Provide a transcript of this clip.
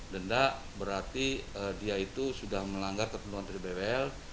denda berarti dia itu sudah melanggar ketentuan tiga bwl